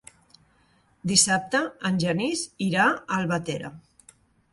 Dissabte en Genís irà a Albatera.